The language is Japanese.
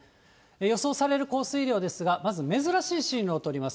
予想される降水量ですが、まず珍しい進路を取ります。